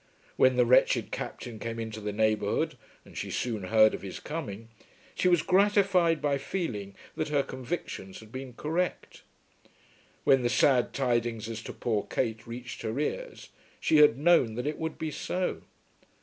When the wretched Captain came into the neighbourhood, and she soon heard of his coming, she was gratified by feeling that her convictions had been correct. When the sad tidings as to poor Kate reached her ears, she had "known that it would be so."